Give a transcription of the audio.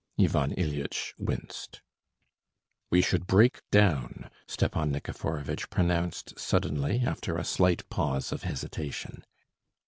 Ivan Ilyitch winced. "We should break down," Stepan Nikiforovitch pronounced suddenly, after a slight pause of hesitation.